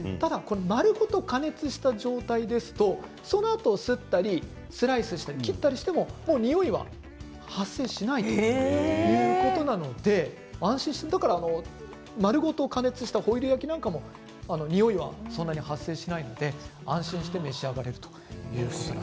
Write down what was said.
丸ごと加熱した状態ですとそのあと、すったりスライスしたり切ったりしてももう、においが発生しないということなので安心して丸ごと加熱したホイル焼きなんかも、においはそんなに発生しないので安心して召し上がれるということです。